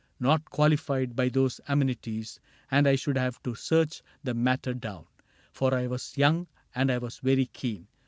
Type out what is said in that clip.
Not qualified by those amenities. And I should have to search the matter down ; For I was young, and I was very keen.